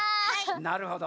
なるほど。